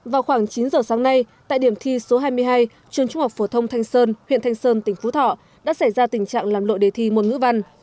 vào khoảng chín giờ sáng nay tại điểm thi số hai mươi hai trường trung học phổ thông thanh sơn huyện thanh sơn tỉnh phú thọ đã xảy ra tình trạng làm lội đề thi môn ngữ văn